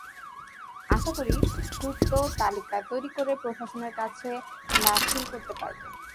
আশা করি, দ্রুত তালিকা তৈরি করে প্রশাসনের কাছে দাখিল করতে পারব।